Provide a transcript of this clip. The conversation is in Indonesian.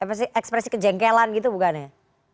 ekspresi kejengkelan gitu bukan ya